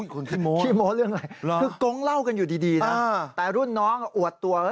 ขี้โมอะไรคุณโกงเล่ากันอยู่ดีนะแต่รุ่นน้องอวดตัว